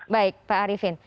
baik pak arifin